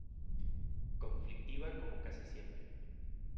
Conflictiva, como casi siempre.